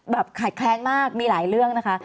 ขาดแคลนมากมีหลายเรื่องนะคะ